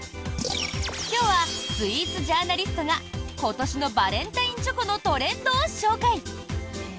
今日はスイーツジャーナリストが今年のバレンタインチョコのトレンドを紹介。